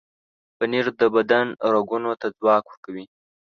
پنېر د بدن رګونو ته ځواک ورکوي.